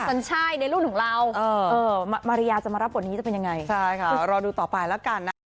มันใช่ในรุ่นของเรามาริยาจะมารับบทนี้จะเป็นยังไงใช่ค่ะเดี๋ยวรอดูต่อไปแล้วกันนะคะ